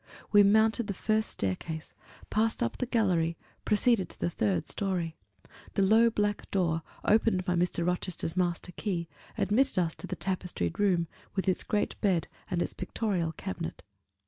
We mounted the first staircase, passed up the gallery, proceeded to the third story: the low black door, opened by Mr. Rochester's master key, admitted us to the tapestried room, with its great bed and its pictorial cabinet.